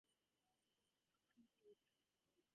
However, she lost to Casey Dellacqua in the following round.